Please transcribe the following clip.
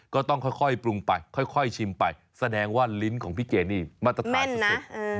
ก็ต้องค่อยปรุงไปค่อยชิมไปแสดงว่าลิ้นของพี่เกดนี่มาตรฐานสุด